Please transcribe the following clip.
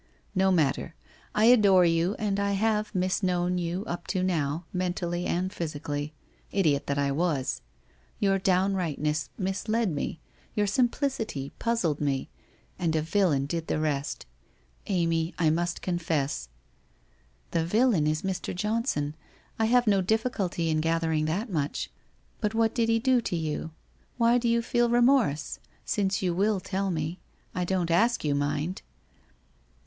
No matter! I adore you, and I have mis known you up to now, mentally, and physically. Idiot that I was! Your downrightness mis led me, your simplicity puzzled me, and a villain did the rest. Amy, I must confess '' The villain is Mr. Johnson, I have no difficulty in gathering that much. But what did he do to you ? Why do you feel remorse ? Since you will tell me. I don't ask you, mind